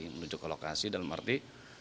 menuju ke lokasi dalam arti